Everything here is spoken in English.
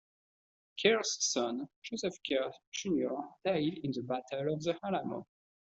Kerr's son, Joseph Kerr Junior died in the Battle of the Alamo.